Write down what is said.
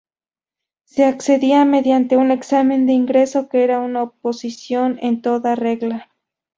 Se accedía mediante un examen de ingreso que era una oposición en toda regla.